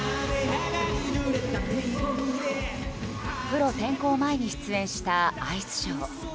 プロ転向前に出演したアイスショー。